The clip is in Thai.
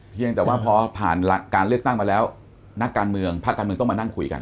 เพียงแต่ว่าพอผ่านการเลือกตั้งมาแล้วนักการเมืองภาคการเมืองต้องมานั่งคุยกัน